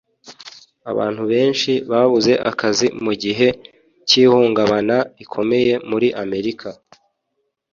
Abantu benshi babuze akazi mugihe cy'ihungabana rikomeye muri Amerika